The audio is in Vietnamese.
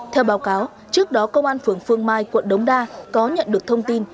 theo báo cáo trước đó công an phường phương mai quận đống đa có nhận được thông tin